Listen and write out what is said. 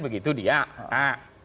begitu dia haa